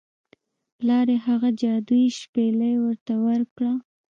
پلار یې هغه جادويي شپیلۍ ورته ورکړه.